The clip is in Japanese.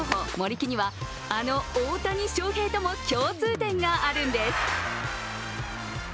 木にはあの大谷翔平とも共通点があるんです。